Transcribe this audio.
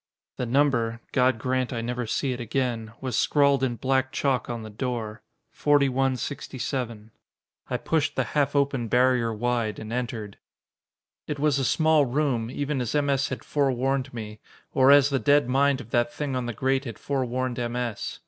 The number God grant I never see it again! was scrawled in black chalk on the door 4167. I pushed the half open barrier wide, and entered. It was a small room, even as M. S. had forewarned me or as the dead mind of that thing on the grate had forewarned M. S.